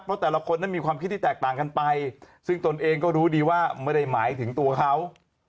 เพราะแต่ละคนนั้นมีความคิดที่แตกต่างกันไปซึ่งตนเองก็รู้ดีว่าไม่ได้หมายถึงตัวเขา